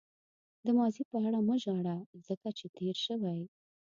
د ماضي په اړه مه ژاړه ځکه چې تېر شوی.